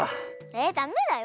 えっダメだよ。